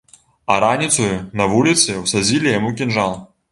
А раніцою, на вуліцы, усадзілі яму кінжал.